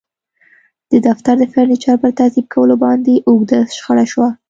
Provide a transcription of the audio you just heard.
د دفتر د فرنیچر په ترتیب کولو باندې اوږده شخړه شوه